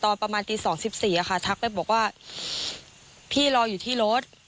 ตอนประมาณตี๒๑๔ค่ะทักไปบอกว่าพี่รออยู่ที่รถ